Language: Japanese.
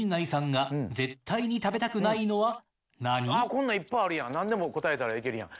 こんなんいっぱいあるやん何でも答えたらいけるやん。